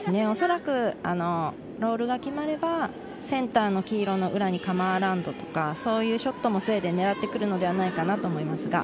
おそらくロールが決まれば、センターの黄色の裏にカムアラウンドとか、そういうショットもスウェーデンはねらってくるのではないかと思います。